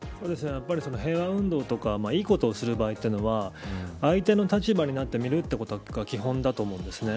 やはり平和運動とかいいことをする場合というのは相手の立場になってみるのが基本だと思うんです。